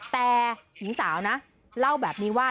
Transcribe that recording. แต่หญิงสาวนะเล่าแบบนี้ว่า